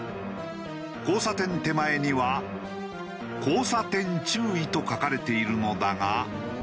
交差点手前には「交差点注意」と書かれているのだが。